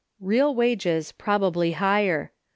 Real wages, probably higher.